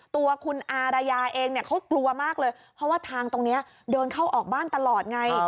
ตัวคุณอารยาเองเขากลัวมากเลยเพราะว่าทางตรงนี้เดินเข้าออกบ้านตลอดไง